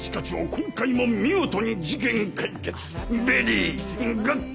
今回も見事に事件解決ベリーグッドです！